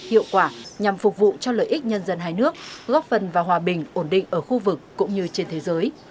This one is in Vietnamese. hiệu quả nhằm phục vụ cho lợi ích nhân dân hai nước góp phần vào hòa bình ổn định ở khu vực cũng như trên thế giới